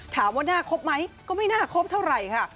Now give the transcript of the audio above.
ถามว่าหน้าครบไหมก็ไม่น่าครบเท่าไหร่ค่ะ